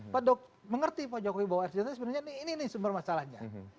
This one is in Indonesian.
pak dok mengerti pak jokowi bawa air senjata sebenarnya ini sumber masalahnya